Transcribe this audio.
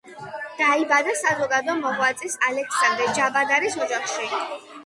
დაიბადა საზოგადო მოღვაწის ალექსანდრე ჯაბადარის ოჯახში.